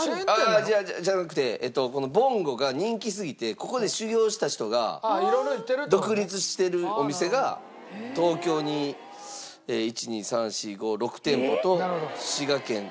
あっじゃなくてぼんごが人気すぎてここで修業した人が独立してるお店が東京に１２３４５６店舗と。